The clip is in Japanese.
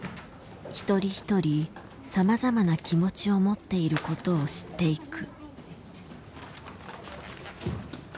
一人一人さまざまな気持ちを持っていることを知っていく。